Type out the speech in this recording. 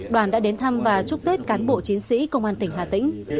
đoàn đã đến thăm và chúc tết cán bộ chiến sĩ công an tỉnh hà tĩnh